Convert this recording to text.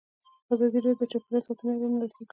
ازادي راډیو د چاپیریال ساتنه اړوند مرکې کړي.